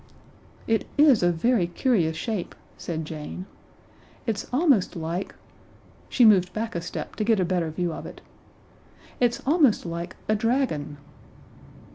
"It is a very curious shape," said Jane. "It's almost like" she moved back a step to get a better view of it "it's almost like a dragon."